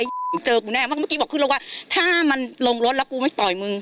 มึงเจอกูแน่เพราะเมื่อกี้บอกขึ้นลงว่าถ้ามันลงรถแล้วกูไม่ต่อยมึง